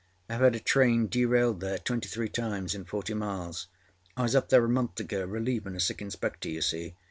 Iâve had a train derailed there twenty three times in forty miles. I was up there a month ago relievinâ a sick inspector, you see.